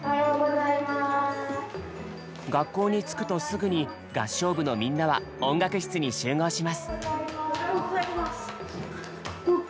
学校に着くとすぐに合唱部のみんなは音楽室に集合します。